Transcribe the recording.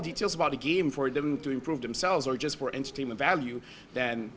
detail kecil tentang permainan untuk mereka sendiri atau hanya untuk nilai pertanian